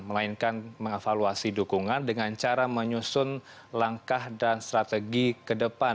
melainkan mengevaluasi dukungan dengan cara menyusun langkah dan strategi ke depan